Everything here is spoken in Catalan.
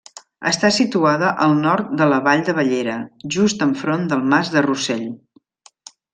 Està situada al nord de la Vall de Bellera, just enfront del Mas de Rossell.